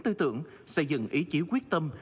tư tưởng xây dựng ý chí quyết tâm